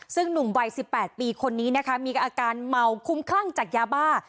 ซึ่งหนุ่มวัย๑๘ปีคนนี้นะคะมีอาการเมาคุ้มคลั่งจากยาบ้า